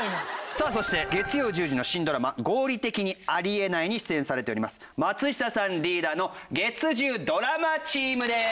さあそして月曜１０時の新ドラマ「合理的にあり得ない」に出演されております松下さんリーダーの月１０ドラマチームです。